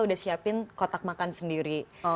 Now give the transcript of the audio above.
udah siapin kotak makan sendiri